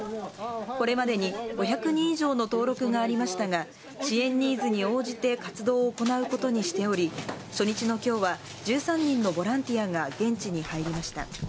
これまでに５００人以上の登録がありましたが、支援ニーズに応じて活動を行うことにしており、初日のきょうは１３人のボランティアが現地に入りました。